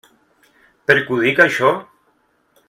Per què ho dic, això?